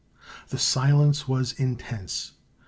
The silence was intense.